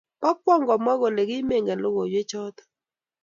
Bo kwong' komwa kole kimengen lokoiywechoto